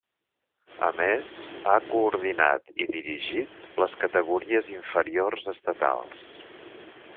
A més, ha coordinat i dirigit les categories inferiors estatals.